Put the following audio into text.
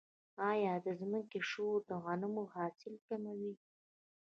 آیا د ځمکې شور د غنمو حاصل کموي؟